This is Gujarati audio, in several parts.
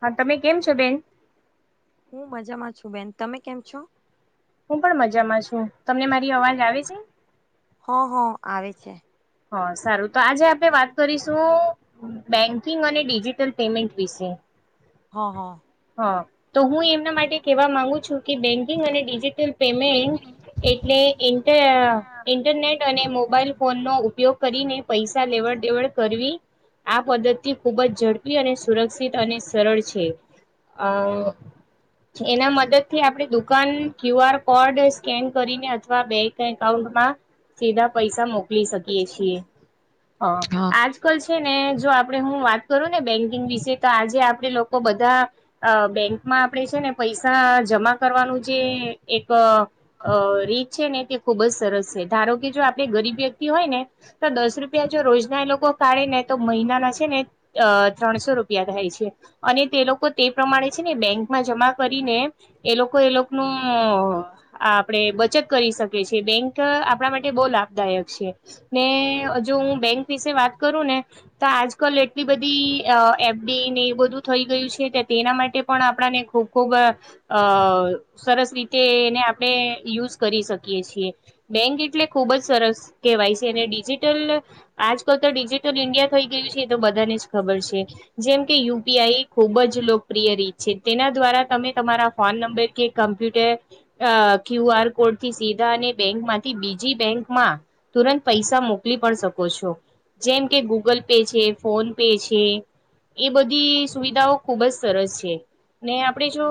હા તમે કેમ છો બેન. હું મજામાં છું બેન તમે કેમ છો. હું પણ મજામાં છું તમને મારી અવાજ આવે છે. હા હા આવે છે. હા સારું તો આજે આપણે વાત કરીશું બેંકિંગ અને ડિજિટલ પેમેન્ટ વિશે. હા હા. તો હું એમના માટે કવા માંગુ છું કે બેંકિંગ અને ડીજી. ટલ પેમેન્ટ એટલે ઇન્ટ અ ઇન્ટરનેટ અને મોબાઈલ ફોનનો ઉ ઉપયોગ કરીને પૈસા લેવડ દેવડ કરવી આ પદ્ધતિ ખૂબ જ ઝડપી અને સુરક્ષિત અને સરળ છે. આ એના મદદ થી આપણે દુકાન ક્યુઆર કોડ સ્કેન કરીને અથવા બેંક એકાઉન્ટમાં સીધા પૈસા મોકલી શકીએ છીએ હ હા આજ કલ છે ને જો આપણે હું વાત કરું ને બેંકિંગ વિશે તો આજે આપે લોકો બધા બેંક આપે છે ને પૈસા જમા કરવાનું જે એક રીત છે ને તે ખુબ જ સરસ છે ધારો કે જો આપડે ગરીબ વ્યક્તિ હોય ને તો દસ રૂપિયા જો રોજના એ લોકો કાઢે ને તો મહિનાના છે ને અ ત્રણસો રૂપિયા થાય અને તે લોકો તે પ્રમાણે છે ને બેંકમાં જમા કરીને એ લોકો એ લોકનું ઓ આપણેે બચત કરી શકીએ છીએ બેંક આપણા માટે બહુ લાભદાયક છે. ને જો હું બેંક વિશે વાત કરું ને તો આજ કલ એટલી બધી એ ને એ બધું થઈ ગયું છે તેના માટે પણ આપણાને ખૂબ ખૂબ અ સરસ સરસ રીતે એને આપણે યુઝ કરી શકીએ છીએ બેંક એટલે ખુબ જ સરસ કહેવાય છે અને ડિજિટલ આજકાલ તો ડિજિટલ ઇન્ડિયા થઈ ગયું છે એ તો બધાને જ ખબર છે. જેમ કે યુપીઆઈ ખૂબ જ લોકપ્રિય રીત છે તેના દ્વારા તમે તમારા ફોન નંબર કે કમ્પ્યુટર ક્યુ આર કોડ થી સીધા અને બેંક માંથી બીજી બેંકમાં તુરંત પૈસા મોકલી પણ શકો છો જેમ કે ગૂગલ પે છે ફોન પે છે એ બધી સુવિધાઓ ખુબ જ સરસ છે. ને આપડે જો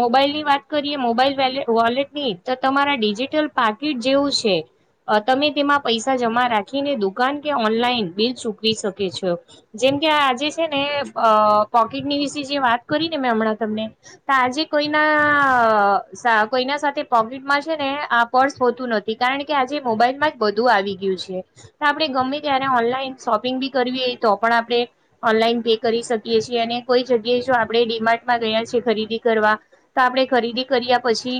મોબાઈલ ની વાત કરીએ મોબાઈલ વોલેટ ની તો તમારા ડિજિટલ પા કીટ જેવું છે, તમે તેમાં પૈસા જમા રાખીને દુકાન કે ઓનલાઈન બિલ ચૂકવી શકે છે, જેમ કે આ આજે છે ને પોકેટની વિશે જે વાત કરીને મે હમણાં તમને, તો આજે કોઈના કોઈના સાથે પોકેટમાં છે ને આ પર્સ હોતું નથી કારણ કે આજે મોબાઈલમાં જ બધું આવી ગયું છે, આપણે ગમે ત્યારે ઓનલાઈન શોપિંગ બી કરવી તો પણ આપણે ઓનલાઇન પે કરી શકીએ છે અને કોઈ જગ્યાએ જો આપણે ડિમાર્ટમાં ગયા છે ખરીદી કરવા, તો આપણે ખરીદી કર્યા પછી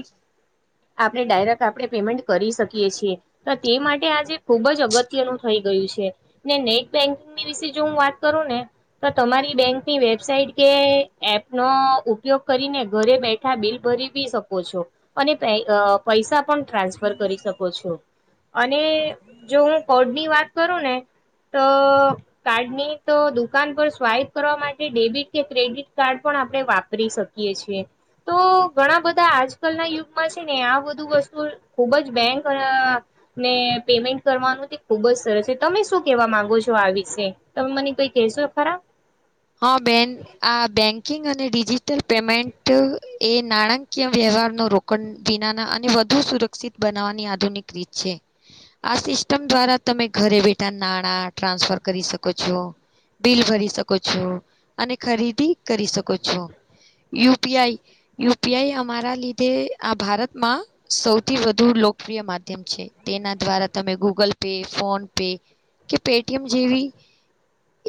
આપણે ડાયરેક્ટ આપણે પેમેન્ટ કરી શકીએ છીએ. તે માટે આજે ખુબ જ અગત્યનું થઈ ગયું છે ને નેટ બેન્કિંગની વિશે જો હું વાત કરું ને તો તમારી બેંકની વેબસાઇટ કે એપ નો ઉપયોગ કરીને ઘરે બેઠા બિલ ભરી શકો છો અને અ પૈસા પણ ટ્રાન્સફર કરી શકો છો. અને જો હું કોડ ની વાત કરું ને તો કાર્ડ ની તો દુકાન પર સ્વાઈપ કરવા માટે ડેબિટ કે ક્રેડિટ કાર્ડ પણ પણ આપણે વાપરી શકીએ છીએ તો ઘણા બધા આજકાલ ના યુગમાં છે ને આ બધું વસ્તુ ખુબ જ બેંક ને પેમેન્ટ કરવાનું તે ખુબ જ સરસ છે તમે શું કેવા માંગો છો આ વિશે તમે મને કઈ કેહશો. સુરફરા. બેકિંગ અને ડિજિટલ પેમેન્ટ એ નાણાંકીય વ્યવહારનું રોકાણ વિનાના અને વધ વધુ સુરક્ષિત બનાવવાની આધુનિક રીત છે. આ સિસ્ટમ દ્વારા તમે ઘરે બેઠા નાણાં ટ્રાન્સફર કરી શકો છો. બિલ ભરી શકો છો, અને ખરીદી કરી શકો છો. U P I, U P I હમારા લીધે આ ભારતમાં સૌથી વધુ લો કપ્રિય માધ્યમ છે. તેના દ્વારા તમે ગૂગલ પે, ફોન પે કે પે ટી એમ જેવી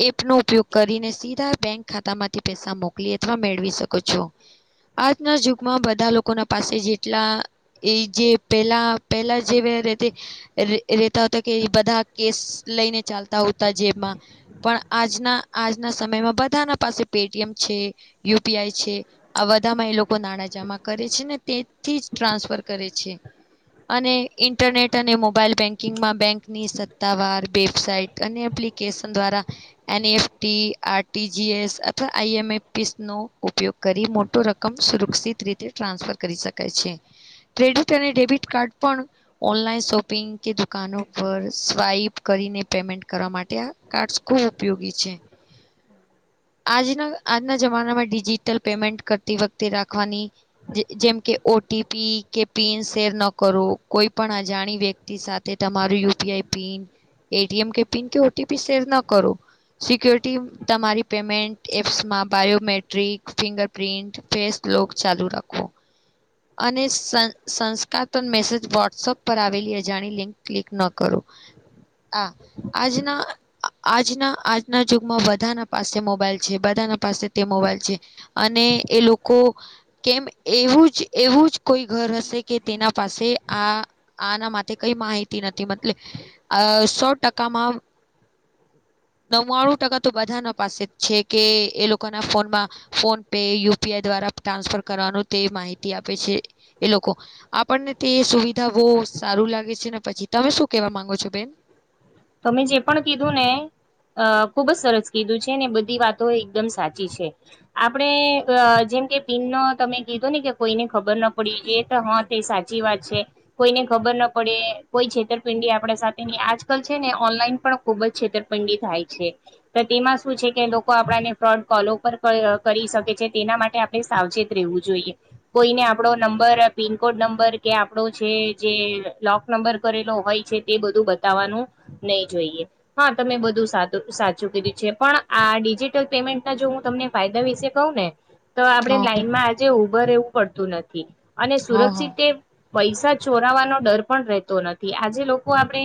એપ નો ઉપયોગ કરીને સીધા બેંક ખાતા માંથી પૈસા મોકલી અથવા મેળવી શકો છો. આજના જ યુગમાં બધા લોકોના પાસે જેટલા એજે પહેલા-પહેલા જે [unintelligible] ર રહેતા હતા કે ઈ બધા કેશ લઈને ચાલતા હોતા જેબમાં પણ આજના આજના સમયમાં બધા ના પાસે પેટીએમ છે, યુ પી આઈ છે, આ બધા માં એ લોકો નાણાં જમા કરે છે, ને તેથી જ ટ્રાન્સફર કરે છે. અને ઇન્ટરનેટ અને મોબાઈલ બેકિંગમાં બેંકની સત્તાવાર, વેબસાઇટ અને એપ્લિકેશન દ્વારા N E F T, R T G S અથવા આઈ એમ એપ સી નો ઉપયોગ કરી મોટો રકમ સુરક્ષિત [unintelligible] રીતે ટ્રાન્સફર કરી શકાય છે. ક્રેડિટ અને ડેબિટ કાર્ડ પણ ઓનલાઈન શોપિંગ કે દુકાનો પર સ્વાઈપ કર રીને પેમેન્ટ કરવા માટે આ કાર્ડ્સ ખૂબ ઉપયોગી છે. આજના, આજના જમાનામાં ડિજિટલ પેમેન્ટ કરતી વખતે રાખવાની જે જેમકે ઓ ટી પી કે પિન શેર ન કરો, કોઈ પણ અજાણી વ્યક્તિ સાથે તમારું U P I A pin, A T M કે પિન કે ઓ ટી પી શેર નો કરો. સિક્યોરિટી તમારી પેમેન્ટ એપ્સમાં બાયોમેટ્રિક, ફિંગરપ્રિન્ટ, ફેસ લોક ચાલુ રાખવો. અને સંસ્ સંસ્કાતન મેસેજ વોટ્સઅપ પર આવેલી અજાણી લિંક ક્લિક ન કરો. [inaudible] હા. આજના આજના આજના જ યુગમાં બધાના પાસે મોબાઈલ છે, બધા ના પાસે તે મોબાઈલ છે, અને એ લોકો કેમ એ એવું જ એવું જ કોઈ ઘર હશે કે તેના પાસે આ આના માટે કઈ માહિતી નથી. ટલે અહ સો ટકામાં નવ્વાણું ટકા તો બધા ના પાસે છે કે એ લોકોના ફોનમાં PhonePe U P I દ્વારા ટ્રાન્સફર કરવાનું તે માહિતી આપે છે એ લોકો આપણને તે સુવિધા બહુ સારું લાગે છે ને પછી તમે શું કેવા માંગો છો બેન? તમે જે પણ કીધું ને અહ ખુબ જ સરસ કીધું છે ને બધી વાતો એકદમ સાચી છે. આપડે અહ જે કેમ કે પિન ન તમે કીધો ને કે કોઈને ખબર ના પડી એ તો હા તે સાચી વાત છે કોઈને ખ બર ના પડે કોઈ છેતરપિંડી આપ સાથે નહી આજકલ છે ને ઓનલાઇન પર ખુબજ છેતરપિંડી થાય છે. પર તેમાં શું છે કે લોકો આપડા ને ફ્રોડ કોલ લોકર ક અહ કરી શકે છે તેના માટે આપણે સાવચેત રહેવું જોઈએ કોઈને આપડો નંબર બી પિનકોડ નંબર કે આપડો છે જે લોક નંબર કરેલો હોય છે તે બધું બતાવવાનું નહી જોઈએ હા તમે બધું સાદુ સાચું કીધું છે પણ આ ડિજિટલ પેમેન્ટના જો હું તમને ફાયદા વિશે કહું ને તો આપડે હા લાઈનમાં આજે ઉભર રહેવું પડતું નથી અને હા સુરક્ષિત હા પૈસા ચોરાવાનો ડર પણ રહેતો નથી આજે લોકો આપડે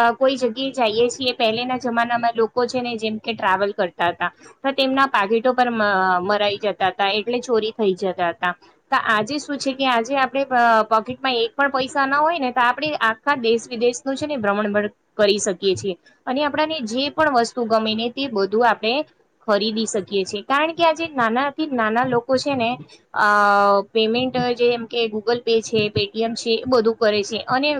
અહ કોઈ જગ્યા જઈએ છીએ પહેલાના જમાનામાં લોકો છે ને જેમ કે ટ્રાવેલ કરતા હતા તો તેમના પા પજિટો પર મ અહ મરાઈ જતા તા એટલે ચોરી થઈ જતા તા તો આજે શું છે કે આજે આપડે અહ પોકેટમાં એક પણ પૈસા ના હોય ને તો આપડે આખા દેશ વિદેશ નું છે ને ભ્રમણ ભર કરી શકીએ છીએ અને આપડાને જે પણ વસ્તુ ગમે ને તે બધું આપડે ખરીદી શ કીએ છીએ કારણ કે આ જે નાનાથી નાના લોકો છે અ ને અહ પેમેન્ટ જેમ કે કે ગૂગલ પે છે પે ટી એમ છે એ બધું કરે છે અને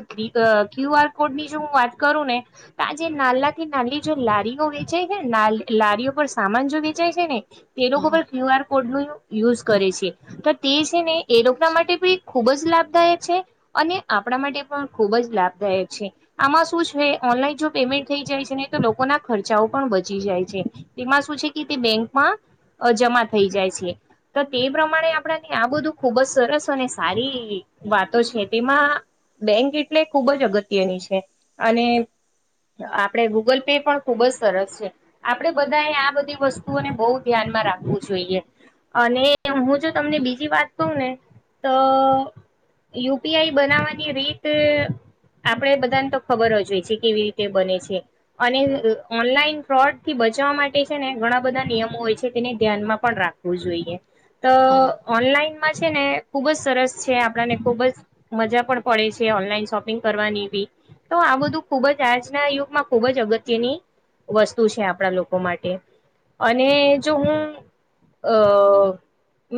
ક્યુ આર કોડ ની જો હું વાત કરું ને તો આજે નાલા થી નાલી જો લારીઓ વેચાય છે ને ના લારીઓ પર સામાન જો વેચાય છે ને એ લોકો પણ ક્યુ આર કોડનું યુઝ કરે છે. તો તે છે ને એ લોકના માટે પણ ખૂબ જ લાભદાયક છે અને આપ પણા માટે પણ ખુબ જ લાભદાયક છે. આમાં શું છ છે, ઓનલાઈન જો પેમેન્ટ થઈ જાય છેને તો લોકોના ખર્ચાઓ પણ બચી જાય છે. તેમાં શું છે કે તે બે કમાં અહ જમા થઈ જાય છે. તો તે પ્રમાણે આપણાને આ બધું ખુબ જ સરસ અને સારી વાતો છે. તેમાં બેંક એટલે ખૂબ જ અગત્યની છે. અને આપડે ગૂગલ પે પણ ખુબ જ સરસ છે. આપડે બધાએ આ બધી વસ્તુઓને બહુ ધ્યાન માં રાખવું જોઈએ. અને હું જો તમને બીજી વાત કહું ને તો યુ પી આઈ બનાવવાની રીત આપડે બધાને તો ખબર જ હોય છે કેવી રીતે બને છે, અને ઓનલાઈન ફ્રોડ થી બચવા માટે છે ને ઘ ઘણા બધા નિયમો હોય છે તેને ધ્યાનમાં પણ રાખવું જોઈએ. તો હો ઓનલાઇન માં છે ને ખુબ જ સરસ છે આપણાને ખુબ જ મજા પણ પડે છે, ઓનલાઈન શોપિંગ કરવાની બી. તો આ બધું ખુબ જ આજના યુગમાં ખુબ જ અગત્યની વસ્તુ છે આપણા લોકો માટે. અને જો હું અહ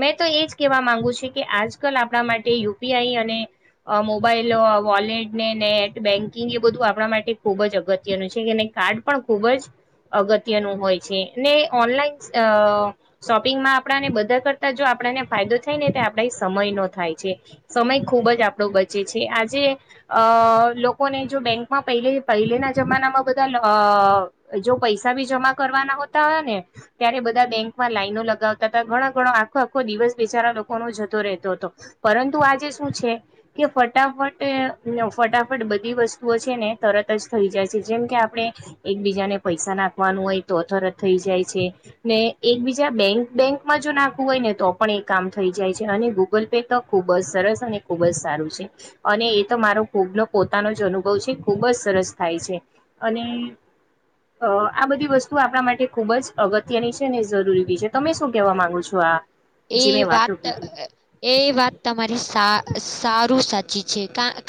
મેં તો એ જ કહેવા માંગુ છે કે આજકાલ આપણા માટે યુપીઆઈ અને અહ મોબાઈલ આ વોલેટ ને નેટ બેંક કિંગ એ બધું આપણા માટે ખૂબ જ અગત્યનું છે. અને કાર્ડ પણ ખૂબ જ અગત્યનું હોય છે. ને ઓનલાઈન અહ શોપિંગમાં આપણાને બધા કરતા જો આપ પણાને ફાયદો થાય ને તે આપણા ઈ સમય નો થાય છે. સમય ખુબ જ આપણો બચે છે. આજે અહ લોક કોને જો બેંકમાં પહેલે-પહેલે ના જમાનામાં બધા લ અહ જો પૈસા બી જમા કરવાના હોતા હોય ને ત્યારે બધા બેંકમાં લાઈનો લગાવતા તા, ઘણો-ઘણો આખો-આખો દિવસ બીચારા લોકોનો જ કરતો રહેતો તો હતો, પરંતુ આજે શું છે કે ફટાફટ ફટાફટ એવી વસ્તુઓ છે ને તરત જ થઈ જાય છે જેમ કે આપણે, એકબીજાને પૈસા નાખવાનું હોય તો થઈ જાય છે, ને એકબીજા બેંક બેંકમાં જો નાખવું હોય ને તો પણ એ કામ થઈ જાય છે. અને ગૂગલ પે તો ખુબ જ સરસ અને ખુબ જ સારું છે, અને એ તો મારો ખૂબ ન પો પોતાનો જે અનુભવ છે ખુબ જ સરસ થાય છે, અને અ આ બધી વસ્તુ આપણા માટે ખુબ જ અગત્યની છે અને જરૂરી બી છે તમે શું કેહેવા માંગુ છો આ જે એ મેં વાતો વાત કીધી એ વાત તમારી સારું સાચ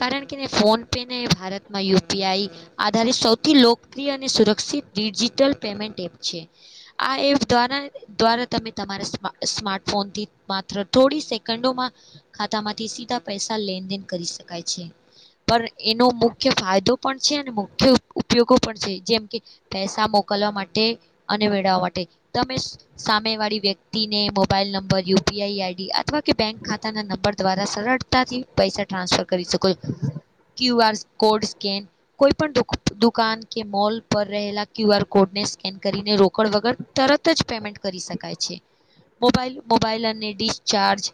કારણ કે ફોન પે ને ભારતમાં યુ પી આઈ આધારિત, સૌથી લોકપ્રિય સુરક્ષિત ડિજિટલ પેમેન્ટ એપ છે, આપ દ્વારા તમે તમારા સ્માર્ટ ફોન થી માત્ર થોડી સેકન્ડોમાં, ખાતા માંથી સીધા પૈસા લેનદેન કરી શકાય છે. પણ એનો મુખ્ય ફાયદો પણ છે અને મુખ્ય ઉપયોગો પણ છે જેમ કે, પેસા મો કલા માટે અને મેળવવા માટે તમે સામે વાળી વ્યક્તિને મો mobile number U P I I D અથવા કે બેંક ખાતાના નંબર દ્વારા સરળતાથી પૈસા ટ્રાન્સફર કરી શકો છો. ક્યુ આર કોડ સ્કેન કોઈ પણ દુકાન કે મોલ પર રહેલા ક્યુ આર કોડ ને સ્કેન કરીને રોકડ વગર તરત જ પેમેન્ટ કરી શકાય છે. મોબાઈલ મોબાઈલ અને ડિસ્ચાર્જ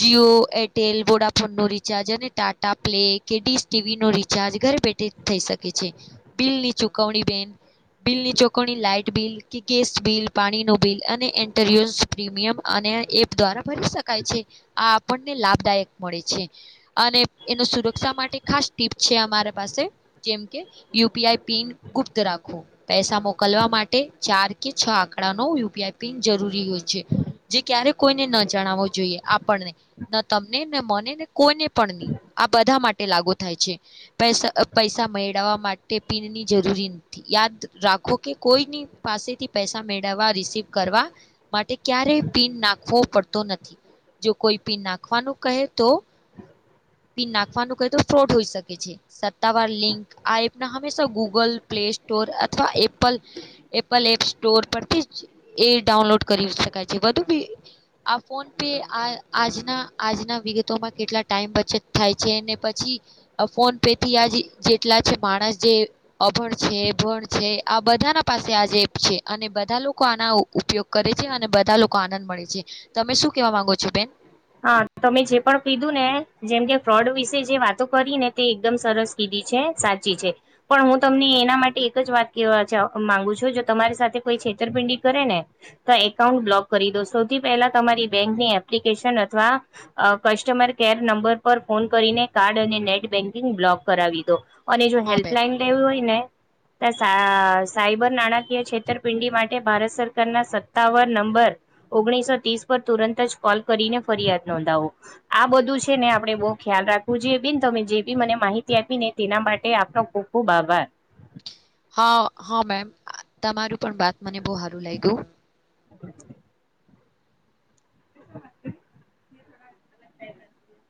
જીઓ એરટેલ વોડાફોન નો રિચાર્જ અને ટાટા પ્લે કેડીસ ટીવી નો રિચાર્જ પેઠ થઈ શકે છે, બિલની ચુકવણી બેન બિલ ની ચોકવણી લાઈટ બિલ ગેસ બિલ પાણી ન બિલ અને એન્ટર પ્રીમિયમ અને એપ દ્વારા ભરી શકાય છે આ આપણને લાભદાયક મળે છે આન ને એનો સુરક્ષા માટે ખાસ ટીપ છે અમારા પાસે જેમ કે યુ પી આઈ પિન ગુપ્ત રાખો પૈસા મોકલવા માટે ચાર કે છ આંકડા નો યુપીઆઈ પિન જરૂરી હોય છે. જે ક્યારે કોઈને ન જણાવવો જોઈએ આપણને ન તમને ન મને ને કોઈને પણ ની. આ બધા માટે લાગુ થાય છે પૈ પૈસા મેળવવા માટે પીનની જરૂરી યાદ રાખો કે કોઈની પાસેથી પૈસા મેળવવા રિસીવ કરવા માટે ક્યારેય પીન નાખવો પડતો નથી જો કોઈ પીન નાખવાનું કહે તો [inaudible] પિન નાખવાનું કઈ તો ફ્રોડ હોઈ શકે છે સત્તાવાર લિંક આ એપ ના હંમેશા ગૂગલ પ્લે સ્ટોર રો અથવા એપલ એપ સ્ટોર પરથી જ એ ડાઉનલોડ કરી શક કાય વધુ ભી આ ફોન પે આ આજના આજના વિગતોમાં કેટલા ટાઈમ બચ બચત થાય છે ને પછી ફોન પે થી આજ જેટલા છે માણસ જે અભણ છે. જે અભણ છે આ બધા પાસે આજ એપ છે ને બધા લોકો આના ઉપયોગ કરે છે અને બ બધા લોકો આનંદ મળે છે તમે શું કેવા માંગો છો બેન. હા તમે જે પણ પીધું ને જેમ કે ફ્રોડ વિશે જે વાતો કરી ને તે એકદમ સરસ કીધી છે સાચી છે પણ હું તમને એના માટે એક જ વાત કેવા જા માંગુ છું જો તમારી સાથે કોઈ છેતરપિંડી કરે ને તો એકાઉન્ટ બ્લોક કરી દો સૌથી પહેલા તમારી બેંકની એપ્લિકેશન હત [unintelligible] આ કસ્ટમર કેર નંબર પર ફોન કરીને કાર્ડ અને નેટ બેન્કિંગ બ્લોક કરાવી દો. અને જો હા બેન હેલ્પલાઈન લેવી હોય ને. તો સા સાયબર નાણાકીય છેતરપિંડી માટે ભારત સરકાર ના સત્તાવન નંબર ઓગણીસો ત્રીસ પર તુરંત જ કોલ કરીને ફરિયાદ નોંધાવો આ બધું છે ને આપણે બો ખ્યાલ રાખવું જોઈએ બેન તમે જે બી મને માહિતી આપીને તેના માટે આપનો ખૂબ ખુબ આભાર. હા હા મેમ તમારું પણ વાત મને બહુ હારું લાગ્યું. [inaudible] [inaudible]